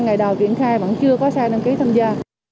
ngày đầu triển khai vẫn chưa có xe đăng ký tham gia